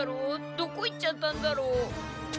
どこ行っちゃったんだろう。